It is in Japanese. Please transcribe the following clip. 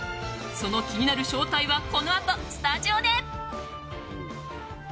その気になる正体はこのあとスタジオで。